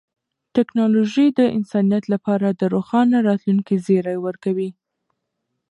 ټیکنالوژي د انسانیت لپاره د روښانه راتلونکي زیری ورکوي.